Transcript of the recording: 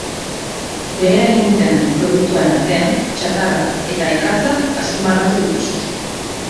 Behera egin dutenen produktuen artean txatarra eta ikatza azpimarratu dituzte.